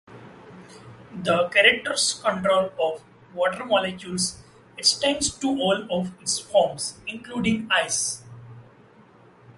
The character's control of water molecules extends to all of its forms, including ice.